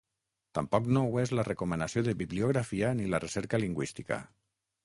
Tampoc no ho és la recomanació de bibliografia ni la recerca lingüística.